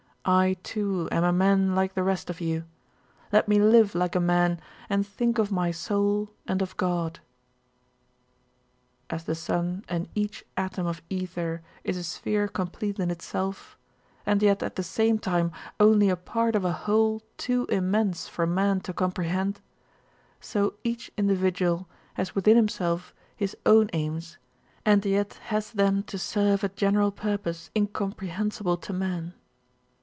I too am a man like the rest of you. Let me live like a man and think of my soul and of God." As the sun and each atom of ether is a sphere complete in itself, and yet at the same time only a part of a whole too immense for man to comprehend, so each individual has within himself his own aims and yet has them to serve a general purpose incomprehensible to man.